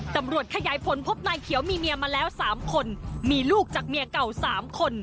ตำรวจขยายผลพบนายเขียวมีเมียมาแล้ว๓คนมีลูกจากเมียเก่า๓คน